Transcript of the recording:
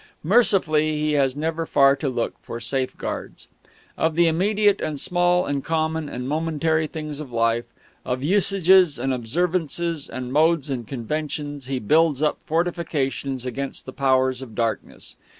Mercifully, he has never far to look for safeguards. Of the immediate and small and common and momentary things of life, of usages and observances and modes and conventions, he builds up fortifications against the powers of darkness.